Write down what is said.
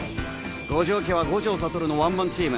五条家は五条悟のワンマンチーム。